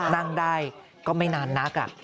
นั่งได้ก็ไม่นานนัก